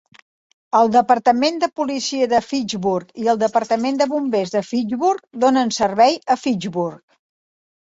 El Departament de Policia de Fitchburg i el Departament de Bombers de Fitchburg donen servei a Fitchburg.